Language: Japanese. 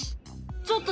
ちょっと！